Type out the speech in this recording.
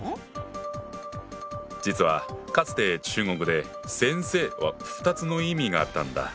実はかつて中国で「先生」は２つの意味があったんだ。